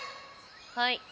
はい。